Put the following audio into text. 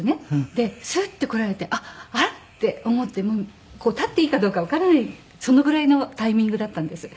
でスッと来られてあらって思って立っていいかどうかわからないそのぐらいのタイミングだったんです。